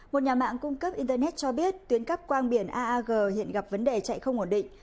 một nhà mạng cung cấp internet cho biết tuyến cắp quang biển aag hiện gặp vấn đề chạy không ổn định